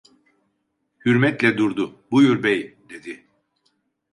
Hürmetle durdu: - Buyur bey, dedi.